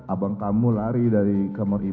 abang kamu lari dari kamar ibu